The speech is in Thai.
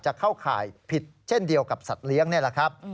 เข้าข่ายผิดเช่นเดียวกับสัตว์เลี้ยงนี่แหละครับ